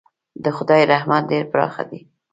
د خدای رحمت ډېر پراخه دی.